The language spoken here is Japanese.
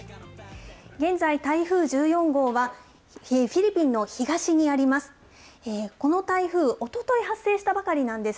現在、台風１４号はフィリピンの東にあります。